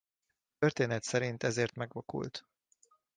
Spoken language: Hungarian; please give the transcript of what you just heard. A történet szerint ezért megvakult.